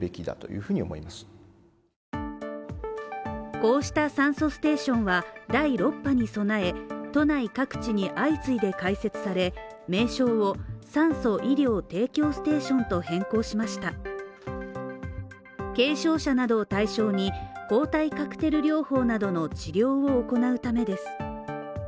こうした酸素ステーションは、第６波に備え、都内各地に相次いで開設され、名称を酸素・医療提供ステーションと変更しました軽症者などを対象に抗体カクテル療法などの治療を行うためです。